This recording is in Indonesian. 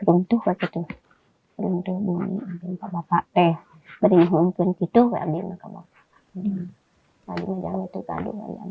untuk waktu itu untuk menghubungkan pak teh beri hukum gitu ya bima kamu lagi menjalankan